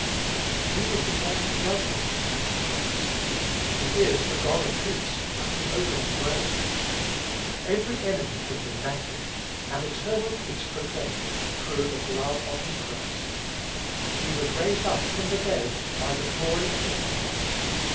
He was the God of judgment at the cross. He is the God of peace at the opening grave. Every enemy has been vanquished, and eternal peace proclaimed, through the blood of his cross. "He was raised up from the dead by the glory of the Father."